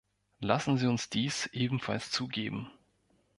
Lassen Sie uns dies ebenfalls zugeben.